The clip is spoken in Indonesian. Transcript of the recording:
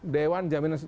dewan jaminan sosial